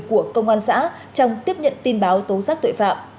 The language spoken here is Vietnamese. của công an xã trong tiếp nhận tin báo tố giác tội phạm